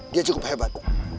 dia cukup hebat